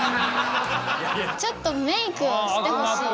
ちょっとメイクをしてほしい。